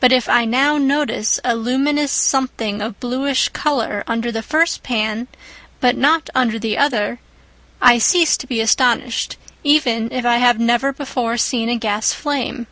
But if I now notice a luminous something of bluish colour under the first pan but not under the other, I cease to be astonished, even if I have never before seen a gas flame.